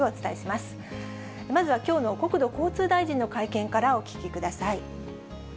まずはきょうの国土交通大臣の会見からお聞きください。